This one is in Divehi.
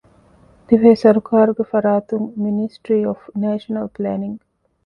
ދިވެހި ސަރުކާރުގެ ފަރާތުން މިނިސްޓްރީ އޮފް ނޭޝަނަލް ޕްލޭނިންގ،